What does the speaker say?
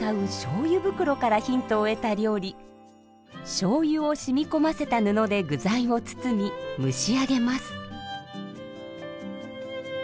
しょうゆをしみ込ませた布で具材を包み蒸し上げます。